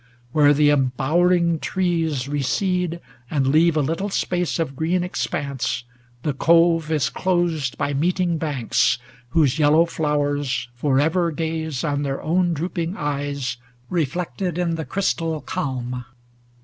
Where the embowering trees recede, and leave A little space of green expanse, the cove Is closed by meeting banks, whose yellow flowers Forever gaze on their own drooping eyes, Reflected in the crystal calm.